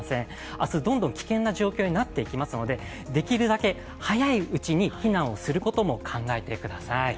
明日、どんどん危険な状況になっていきますのでできるだけ早いうちに避難をすることも考えてください。